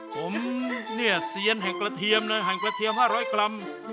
ผมเนี่ยเสียงแห่งกระเทียมนะแห่งกระเทียมห้าร้อยกรัม